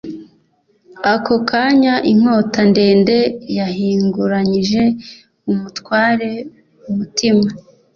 ako kanya inkota ndende yahinguranije umutware umutima